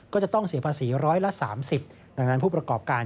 ก็จะต้องเสียภาษีร้อยละ๓๐ดังนั้นผู้ประกอบการ